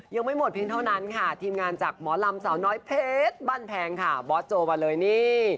ยังไม่หมดเพียงเท่านั้นค่ะทีมงานจากหมอลำสาวน้อยเพชรบ้านแพงค่ะบอสโจมาเลยนี่